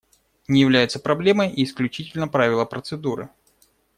Не являются проблемой и исключительно правила процедуры.